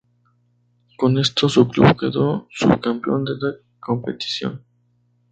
Con esto su club quedó subcampeón de la competición.